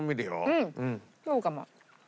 うんそうかも。